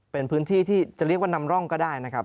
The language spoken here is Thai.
เป็นพื้นที่ที่จะเรียกว่านำร่องก็ได้นะครับ